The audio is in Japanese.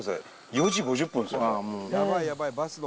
４時５０分ですよほら。